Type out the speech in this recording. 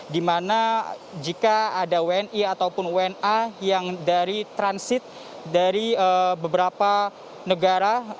di mana jika ada wni ataupun wna yang dari transit dari beberapa negara